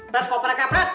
perat kopernya perat